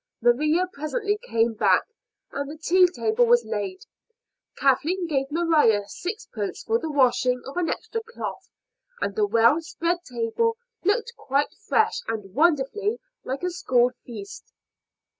Maria presently came back and the tea table was laid. Kathleen gave Maria sixpence for the washing of an extra cloth, and the well spread table looked quite fresh and wonderfully like a school feast.